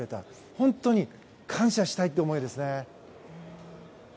本当に感謝したいって思いですね。